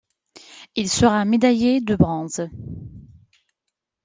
Il sera médaillé de bronze.